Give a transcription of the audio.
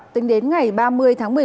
tính đến ngày ba mươi tháng một mươi một